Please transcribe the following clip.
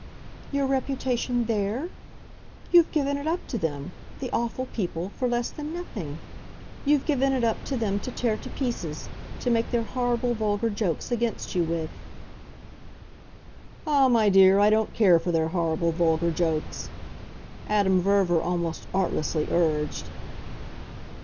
"Your reputation THERE? You've given it up to them, the awful people, for less than nothing; you've given it up to them to tear to pieces, to make their horrible vulgar jokes against you with." "Ah, my dear, I don't care for their horrible vulgar jokes," Adam Verver almost artlessly urged.